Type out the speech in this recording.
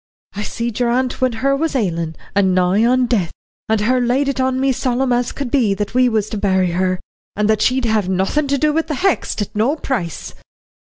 I seed your aunt when her was ailin', and nigh on death, and her laid it on me solemn as could be that we was to bury her, and that she'd have nothin' to do wi' the Hexts at no price."